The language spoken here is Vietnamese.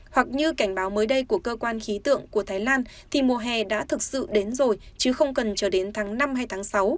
hoặc như cảnh báo mới đây của cơ quan khí tượng của thái lan thì mùa hè đã thực sự đến rồi chứ không cần chờ đến tháng năm hay tháng sáu